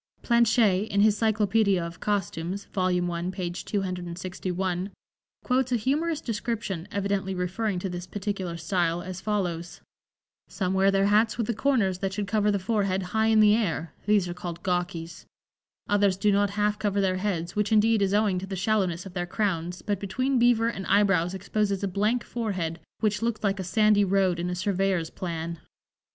Planché, in his "Cyclopædia of Costumes" (vol. 1, page 261), quotes a humorous description, evidently referring to this particular style, as follows: "Some wear their hats with the corners that should cover the forehead high in the air, these are called Gawkies; others do not half cover their heads, which, indeed, is owing to the shallowness of their crowns, but between beaver and eyebrows exposes a blank forehead, which looks like a sandy road in a surveyor's plan."